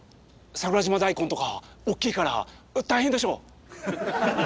桜島大根とか大きいから大変でしょう？